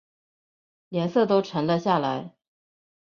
脸色都沉了下来